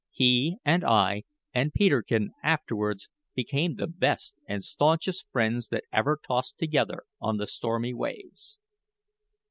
He and I, and Peterkin afterwards, became the best and staunchest friends that ever tossed together on the stormy waves.